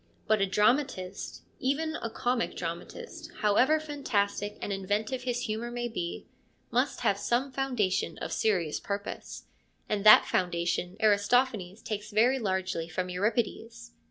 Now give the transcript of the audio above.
But a dramatist, even a comic dramatist, however fantastic and inventive his humour may be, must have some foundation of serious purpose, and that foundation Aristophanes takes very largely from Euripides.